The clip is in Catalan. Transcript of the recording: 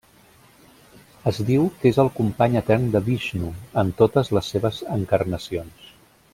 Es diu que és el company etern de Vixnu en totes les seves encarnacions.